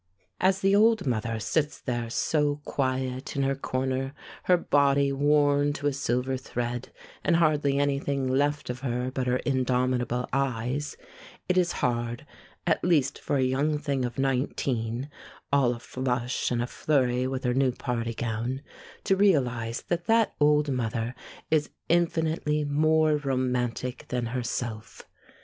As the old mother sits there so quiet in her corner, her body worn to a silver thread, and hardly anything left of her but her indomitable eyes, it is hard, at least for a young thing of nineteen, all aflush and aflurry with her new party gown, to realize that that old mother is infinitely more romantic than herself.